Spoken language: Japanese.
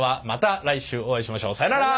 さよなら。